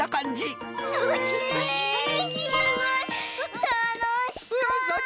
たのしそう！